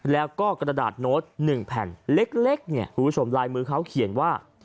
แล้วก็กระดาษโน้ต๑แผ่นเล็กเนี่ยคุณผู้ชมลายมือเขาเขียนว่า